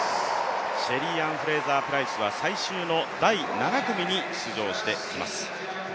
シェリーアン・フレイザー・プライスは最終の第７組に出場してきます。